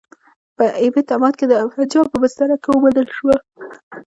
په ایبټ اباد کې د پنجاب په بستره کې وموندل شوه.